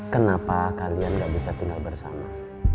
kenapa kalian gak bisa tinggal bersama